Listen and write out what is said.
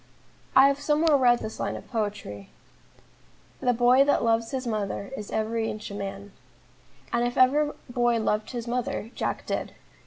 I have somewhere read this line of poetry: "The boy that loves his mother Is every inch a man," and if ever boy loved his mother, Jack did.